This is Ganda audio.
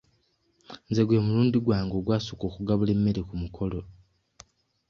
Nze gwe mulundi gwange ogwasooka okugabula emmere ku mukolo.